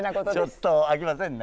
ちょっとあきませんね。